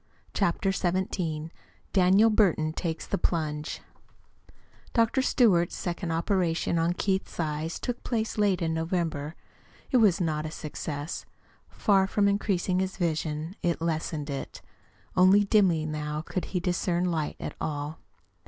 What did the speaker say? CHAPTER XVII DANIEL BURTON TAKES THE PLUNGE Dr. Stewart's second operation on Keith's eyes took place late in November. It was not a success. Far from increasing his vision, it lessened it. Only dimly now could he discern light at all.